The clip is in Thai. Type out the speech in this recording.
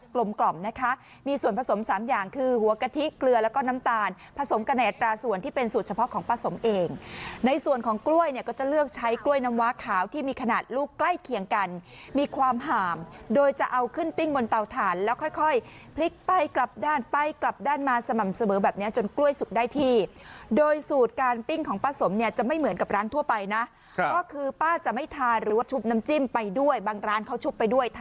กลมกล่อมนะคะมีส่วนผสม๓อย่างคือหัวกะทิเกลือแล้วก็น้ำตาลผสมกันในอัตราส่วนที่เป็นสูตรเฉพาะของป้าสมเองในส่วนของกล้วยเนี่ยก็จะเลือกใช้กล้วยน้ำว้าขาวที่มีขนาดลูกใกล้เคียงกันมีความหามโดยจะเอาขึ้นปิ้งบนเตาถ่านแล้วค่อยพลิกไปกลับด้านไปกลับด้านมาสม่ำเสมอแบบนี้จนกล้วย